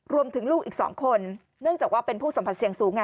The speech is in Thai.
ลูกอีก๒คนเนื่องจากว่าเป็นผู้สัมผัสเสี่ยงสูงไง